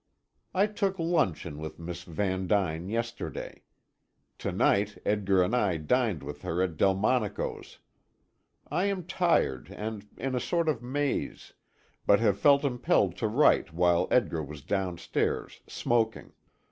I took luncheon with Miss Van Duyn yesterday. To night Edgar and I dined with her at Delmonico's. I am tired and in a sort of maze, but have felt impelled to write while Edgar was down stairs, smoking.